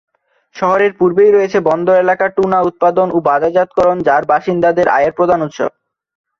শহরের পূর্বেই রয়েছে বন্দর এলাকা- টুনা উৎপাদন ও বাজারজাতকরণ যার বাসিন্দাদের আয়ের প্রধান উৎস।